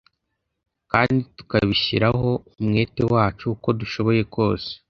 kandi tukabishyiraho umwete wacu uko dushoboye kose